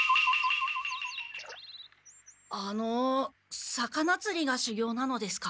あの魚つりがしゅぎょうなのですか？